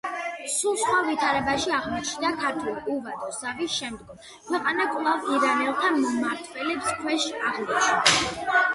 სულ სხვა ვითარებაში აღმოჩნდა ქართლი უვადო ზავის შემდგომ, ქვეყანა კვლავ ირანელთა მმართველობის ქვეშ აღმოჩნდა.